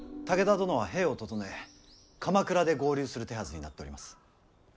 武田殿は兵を調え鎌倉で合流する手はずになっております。